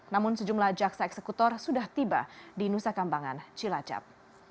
namun sejumlah jaksa eksekutor sudah tiba di nusa kambangan cilacap